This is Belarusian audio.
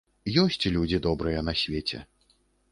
Ёсць людзі добрыя на свеце.